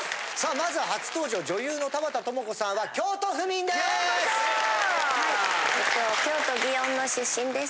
まず初登場女優の田畑智子さんは京都府民です。